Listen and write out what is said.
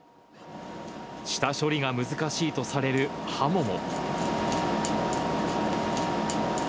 下処理が難しいとされるハモも。